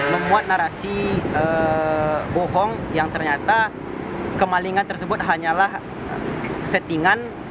memuat narasi bohong yang ternyata kemalingan tersebut hanyalah settingan